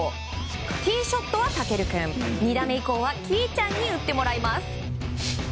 ティーショットは嵩琉君２打目以降は稀唯ちゃんに打ってもらいます。